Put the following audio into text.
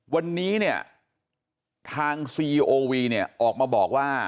วันนี้เนี่ยทางซีโอวีเนี่ยออกมาบอกว่า